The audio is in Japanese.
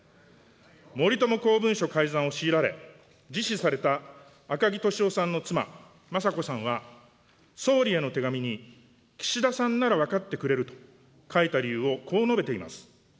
森友公文書改ざんを迫られ、自死された赤木俊夫さんの妻、雅子さんは、総理への手紙に、岸田さんなら分かってくれると書いた理由をこう述べています。